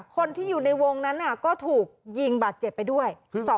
คนที่อยู่ในวงนั้นก็ถูกยิงบาดเจ็บไปด้วย